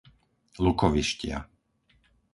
Lukovištia